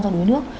do đuối nước